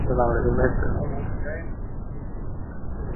প্রস্থপ্রাচীরবিহীন বহুনিউক্লিয়াসযুক্ত ছত্রাকের দেহকে কী বলে?